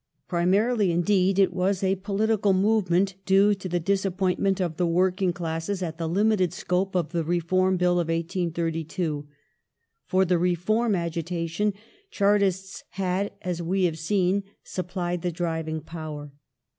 Primarily, indeed, it was a political movement, due to the disappointment of the working classes at the limited scope of the Reform Bill of 1832. For the " Reform " agitation Chartists had, as we have seen, supplied the driving power.